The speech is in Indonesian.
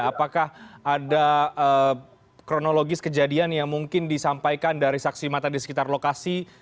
apakah ada kronologis kejadian yang mungkin disampaikan dari saksi mata di sekitar lokasi